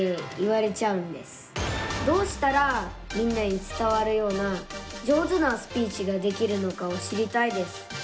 どうしたらみんなに伝わるような上手なスピーチができるのかを知りたいです。